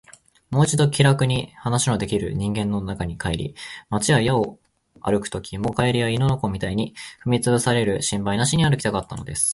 もう一度、気らくに話のできる人間の中に帰り、街や野を歩くときも、蛙や犬の子みたいに踏みつぶされる心配なしに歩きたかったのです。